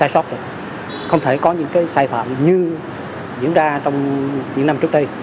không thể có sai sót được không thể có những cái sai phạm như diễn ra trong những năm trước đây